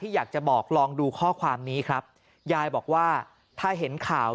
อยากจะบอกลองดูข้อความนี้ครับยายบอกว่าถ้าเห็นข่าว